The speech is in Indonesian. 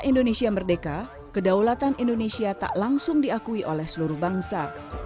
indonesia merdeka kedaulatan indonesia tak langsung diakui oleh seluruh bangsa